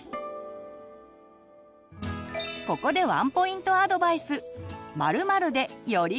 ここでワンポイントアドバイス！